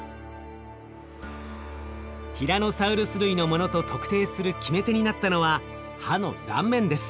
ティラノサウルス類のものと特定する決め手になったのは歯の断面です。